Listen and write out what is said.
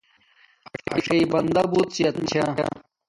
اݽݵ بندا بوت صحت مند چھا